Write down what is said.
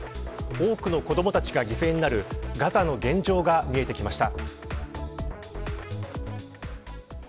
多くの子どもたちが犠牲になるガザの現状が見えてきました。